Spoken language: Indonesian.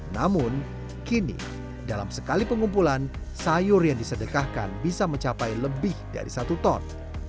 namun kini dalam sekali pengumpulan sayur yang disedekahkan bisa mencapai lebih dari satu ton